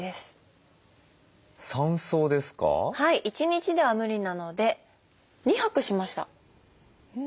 １日では無理なので２泊しました。